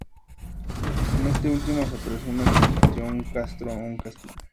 En este último, se presume que existió un castro o un castillo.